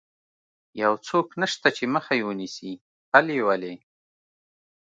یو څوک نشته چې مخه یې ونیسي، پل یې ولې.